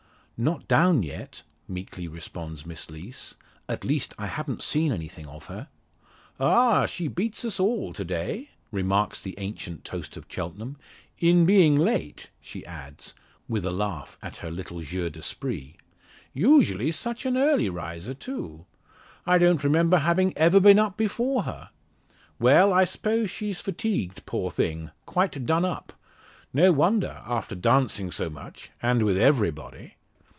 "Not down yet," meekly responds Miss Lees, "at least I haven't seen anything of her." "Ah! she beats us all to day," remarks the ancient toast of Cheltenham, "in being late," she adds, with a laugh at her little jeu d'esprit. "Usually such an early riser, too. I don't remember having ever been up before her. Well, I suppose she's fatigued, poor thing! quite done up. No wonder, after dancing so much, and with everybody."